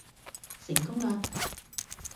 成功啦